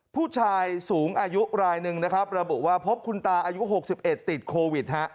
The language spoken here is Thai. ผู้ชายสูงอายุรายหนึ่งนะครับระบุว่าพบคุณตาอายุ๖๑ติดโควิด